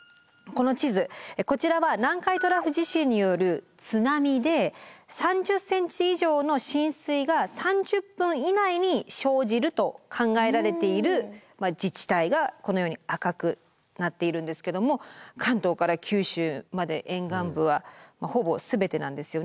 この地図こちらは南海トラフ地震による津波で３０ｃｍ以上の浸水が３０分以内に生じると考えられている自治体がこのように赤くなっているんですけども関東から九州まで沿岸部はほぼ全てなんですよね。